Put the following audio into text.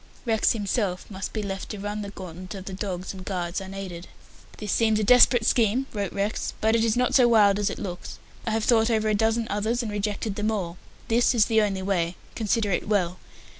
Rex himself must be left to run the gauntlet of the dogs and guards unaided. "This seems a desperate scheme," wrote Rex, "but it is not so wild as it looks. I have thought over a dozen others, and rejected them all. This is the only way. Consider it well.